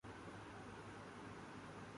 فصل گل آئی امتحاں کی طرح